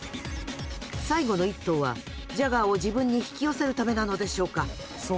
最後の一頭はジャガーを自分に引き寄せるためなのでしょうか。